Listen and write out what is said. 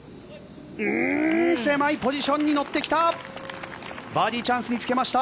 狭いポジションに乗ってきた！